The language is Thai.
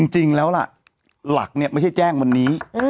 จริงแล้วล่ะหลักเนี่ยไม่ใช่แจ้งวันนี้